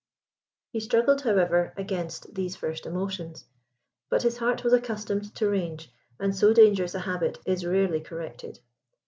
He struggled, however, against these first emotions; but his heart was accustomed to range, and so dangerous a habit is rarely corrected.